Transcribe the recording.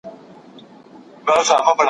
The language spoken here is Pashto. اوس كرۍ ورځ زه شاعري كومه